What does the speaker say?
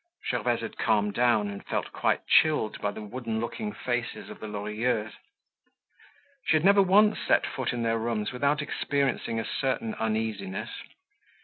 Gervaise had calmed down and felt quite chilled by the wooden looking faces of the Lorilleux. She had never once set foot in their rooms without experiencing a certain uneasiness.